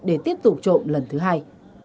để tiếp tục trộm lần thứ hai